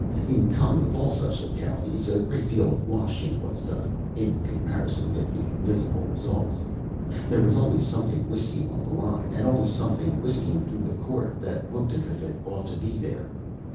In common with all such localities, a great deal of washing was done, in comparison with the visible results. There was always some thing whisking on the line, and always some thing whisking through the court, that looked as if it ought to be there.